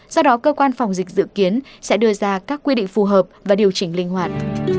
do đó cơ quan phòng dịch dự kiến sẽ đưa ra các quy định phù hợp và điều chỉnh linh hoạt